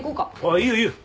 いいよいいよ。